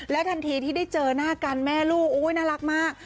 ทันทีที่ได้เจอหน้ากันแม่ลูกโอ๊ยน่ารักมาก